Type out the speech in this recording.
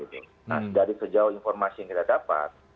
nah dari sejauh informasi yang kita dapat